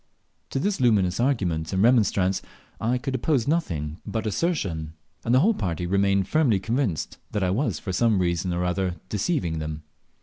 To this luminous argument and remonstrance I could oppose nothing but assertion, and the whole party remained firmly convinced that I was for some reason or other deceiving them.